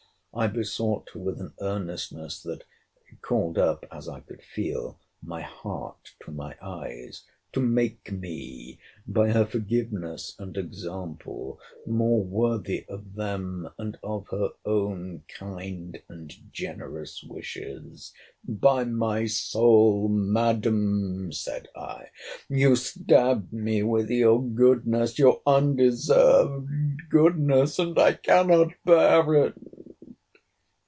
I besought her with an earnestness that called up, as I could feel, my heart to my eyes, to make me, by her forgiveness and example, more worthy of them, and of her own kind and generous wishes. By my soul, Madam, said I, you stab me with your goodness—your undeserved goodness! and I cannot bear it!